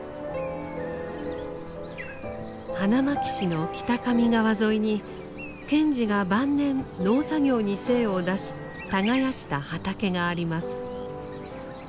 花巻市の北上川沿いに賢治が晩年農作業に精を出し耕した畑があります。